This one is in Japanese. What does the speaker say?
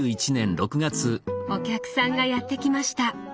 お客さんがやって来ました。